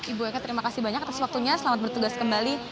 ibu eka terima kasih banyak atas waktunya selamat bertugas kembali